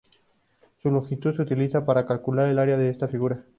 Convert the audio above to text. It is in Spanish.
Su longitud se utiliza para calcular el área de esta figura.